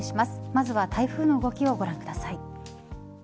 まずは台風の動きをご覧ください。